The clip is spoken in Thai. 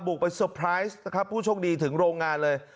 บุกไปนะครับผู้โชคดีถึงโรงงานเลย